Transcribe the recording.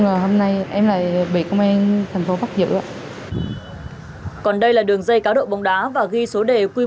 ngờ hôm nay em lại bị công an thành phố bắt giữ còn đây là đường dây cáo độ bóng đá và ghi số đề quy